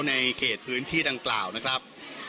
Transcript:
ในเกตพื้นที่ต่างนะครับ